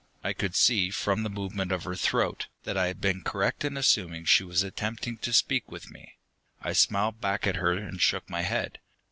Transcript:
I could see, from the movement of her throat, that I had been correct in assuming that she was attempting to speak with me. I smiled back at her and shook my head.